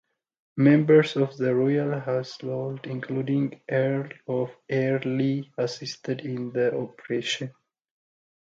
Members of the Royal Household, including the Earl of Airlie, assisted in the operation.